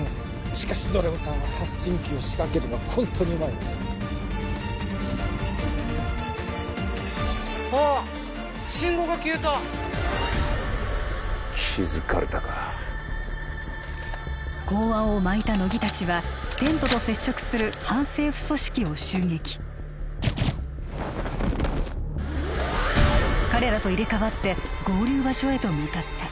しかしドラムさんは発信機を仕掛けるのがホントにうまいなあっ信号が消えた気づかれたか公安をまいた乃木達はテントと接触する反政府組織を襲撃彼らと入れ代わって合流場所へと向かった